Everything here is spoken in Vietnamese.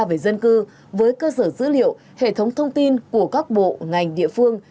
về dân cư với cơ sở dữ liệu hệ thống thông tin của các bộ ngành địa phương